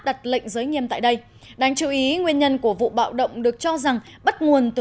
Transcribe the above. đặt lệnh giới nghiêm tại đây đáng chú ý nguyên nhân của vụ bạo động được cho rằng bắt nguồn từ